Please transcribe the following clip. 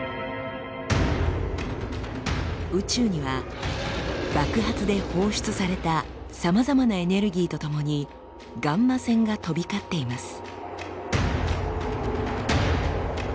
宇宙には爆発で放出されたさまざまなエネルギーとともにガンマ線が飛び交っています。